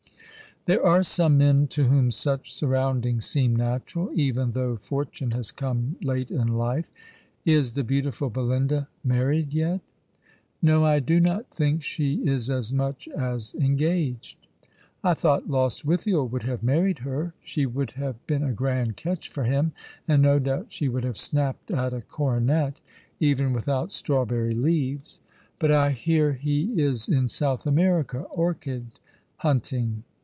There are some men to whom such surroundings seem natural, even though fortune has come late in life. Is the beautiful Belinda married yet ?"" No. I do not think she is as much as engaged." "I thought Lostwithiel would have married her. She vould have been a grand catch for him, and no doubt she would have snapped at a coronet, even without strawberry leaves. But I hear he is in South America orchid hunting.